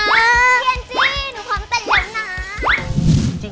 พี่แอนจี้หนูพร้อมเต้นเดี๋ยวนะ